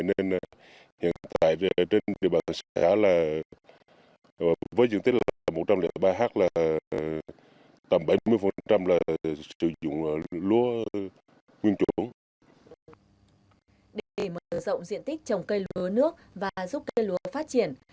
để mở rộng diện tích trồng cây lúa nước và giúp cây lúa phát triển